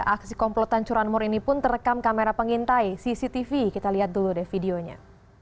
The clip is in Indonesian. aksi komplotan curanmor ini pun terekam kamera pengintai cctv kita lihat dulu deh videonya